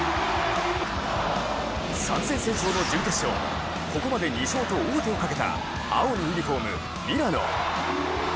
３戦先勝の準決勝、ここまで２勝と王手をかけた青のユニフォーム・ミラノ。